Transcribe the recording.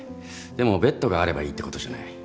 でもベッドがあればいいってことじゃない。